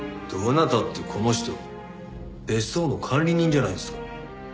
どなたってこの人別荘の管理人じゃないですか。